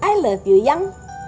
i love you yang